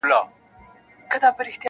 ستا له خیبر سره ټکراو ستا حماقت ګڼمه,